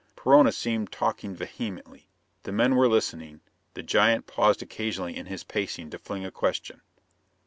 Perona seemed talking vehemently: the men were listening; the giant paused occasionally in his pacing to fling a question.